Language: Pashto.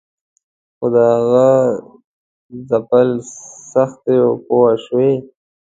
خو د هغه ځپل سختوي پوه شوې!.